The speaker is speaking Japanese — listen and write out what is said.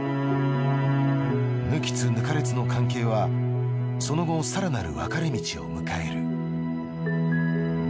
抜きつ抜かれつの関係はその後更なる分かれ道を迎える。